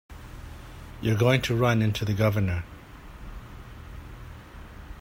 You're going to run into the Governor.